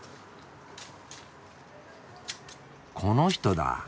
・この人だ。